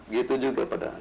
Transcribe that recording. gitu juga pada